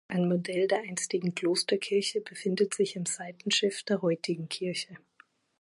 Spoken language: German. Ein Modell der einstigen Klosterkirche befindet sich im Seitenschiff der heutigen Kirche.